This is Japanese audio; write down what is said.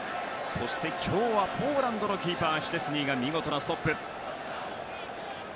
そして今日はポーランドのキーパーシュチェスニーが見事なストップ。